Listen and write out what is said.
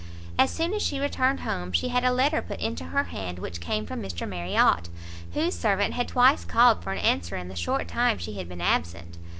As soon as she returned home, she had a letter put into her hand which came from Mr Marriot, whose servant had twice called for an answer in the short time she had been absent.